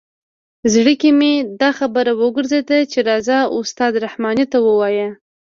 زړه کې مې دا خبره وګرځېده چې راځه استاد رحماني ته ووایه.